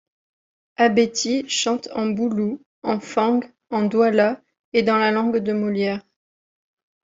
Abeti chante en bulu, en fang, en douala et dans la langue de Molière.